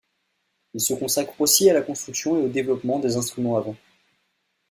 Il se consacre aussi à la construction et au développement des instruments à vent.